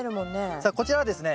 さあこちらはですね